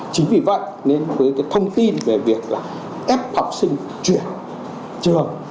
chính vì vậy nên với thông tin về việc ép học sinh truyền trường